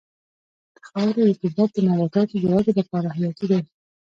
د خاورې رطوبت د نباتاتو د ودې لپاره حیاتي دی.